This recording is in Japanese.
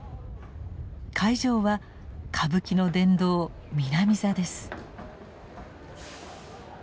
会場は歌舞伎の殿堂南座です。